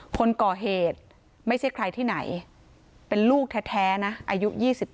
คนก่อเหตุไม่ใช่ใครที่ไหนเป็นลูกแท้นะอายุ๒๗